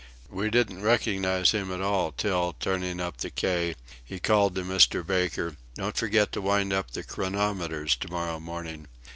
We didn't recognise him at all till, turning on the quay, he called to Mr. Baker: "Don't forget to wind up the chronometers to morrow morning."